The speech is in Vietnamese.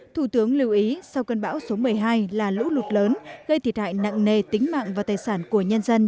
thủ tướng lưu ý sau cơn bão số một mươi hai là lũ lụt lớn gây thiệt hại nặng nề tính mạng và tài sản của nhân dân